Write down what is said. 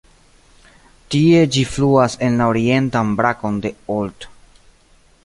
Tie ĝi fluas en la orientan brakon de Olt.